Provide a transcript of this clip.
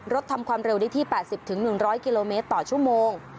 ทำความเร็วได้ที่๘๐๑๐๐กิโลเมตรต่อชั่วโมง